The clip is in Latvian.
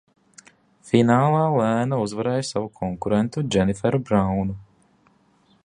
Finālā Lēna uzvarēja savu konkurentu Dženiferu Braunu.